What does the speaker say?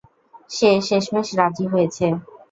সে শেষমেশ রাজি হয়েছে।